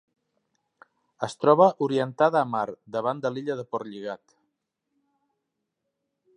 Es troba orientada a mar, davant de l'illa de Portlligat.